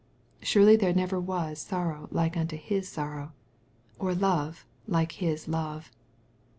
Surely there never was sorrow like unto His sorrow, or love like His love.